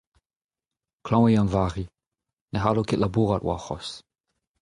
klañv eo Yann-Vari, ne c'hallo ket labourat warc'hoazh.